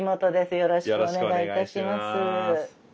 よろしくお願いします。